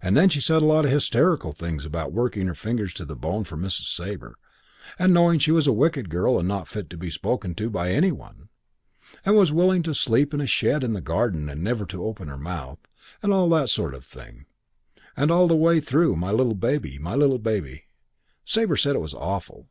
And then she said a lot of hysterical things about working her fingers to the bone for Mrs. Sabre, and knowing she was a wicked girl and not fit to be spoken to by any one, and was willing, to sleep in a shed in the garden and never to open her mouth, and all that sort of thing; and all the way through 'my little baby,' 'my little baby.' Sabre said it was awful.